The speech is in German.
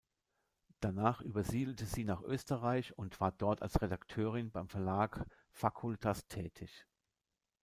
Danach übersiedelte sie nach Österreich und war dort als Redakteurin beim Verlag "Facultas" tätig.